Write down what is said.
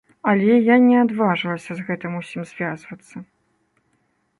Але я не адважылася з гэтым усім звязвацца.